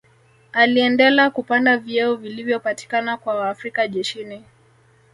Aliendela kupanda vyeo vilivyopatikana kwa Waafrika jeshini